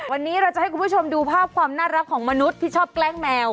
วันนี้เราจะให้คุณผู้ชมดูภาพความน่ารักของมนุษย์ที่ชอบแกล้งแมว